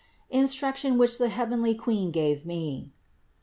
INSTRUCTION WHICH THE HEAVENLY QUEEN GAVE ME.